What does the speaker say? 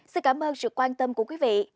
xin cảm ơn sự quan tâm của quý vị